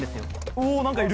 おぉ何かいる！